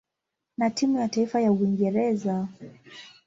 na timu ya taifa ya Uingereza.